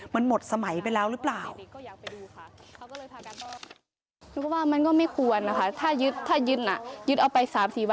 มันหมดสมัยไปแล้วหรือเปล่า